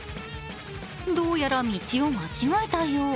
どうやら道を間違えたよう。